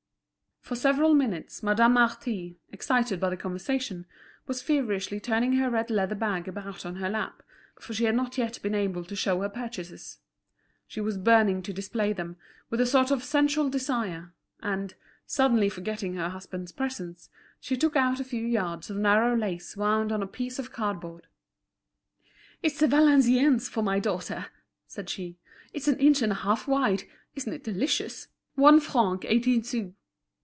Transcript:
For several minutes, Madame Marty, excited by the conversation, was feverishly turning her red leather bag about on her lap, for she had not yet been able to show her purchases. She was burning to display them, with a sort of sensual desire; and, suddenly forgetting her husband's presence, she took out a few yards of narrow lace wound on a piece of cardboard. "It's the Valenciennes for my daughter," said she. "It's an inch and a half wide. Isn't it delicious? One franc eighteen sous."